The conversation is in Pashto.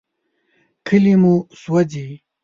کلي مو سوځي.